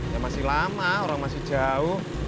ya masih lama orang masih jauh